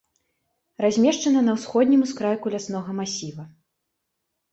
Размешчана на ўсходнім ускрайку ляснога масіва.